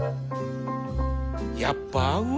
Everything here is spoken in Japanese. やっぱ合うわ